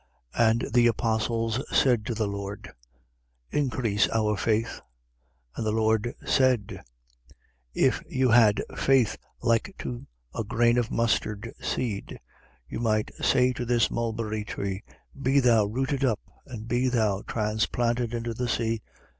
17:5. And the apostles said to the Lord: Increase our faith. 17:6. And the Lord said: If you had faith like to a grain of mustard seed, you might say to this mulberry tree: Be thou rooted up and be thou transplanted into the sea.